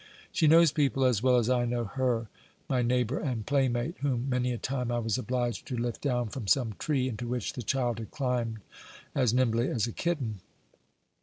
She knows people as well as I know her, my neighbour and playmate, whom many a time I was obliged to lift down from some tree into which the child had climbed as nimbly as a kitten."